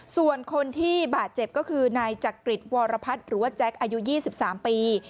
ส่วนคนที่บาดเจ็บก็คือนายจักริจวรพัฒน์หรือว่าแจ๊คอายุ๒๓ปี